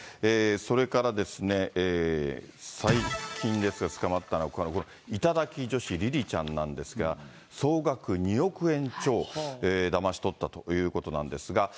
それからですね、最近ですが、捕まったのは、頂き女子りりちゃんなんですが、総額２億円超、だまし取ったということなんですが。